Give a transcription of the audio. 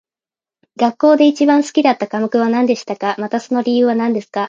学校で一番好きだった科目はなんですかまたその理由はなんですか